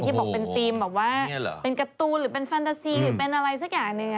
บอกเป็นธีมแบบว่าเป็นการ์ตูนหรือเป็นแฟนตาซีหรือเป็นอะไรสักอย่างหนึ่ง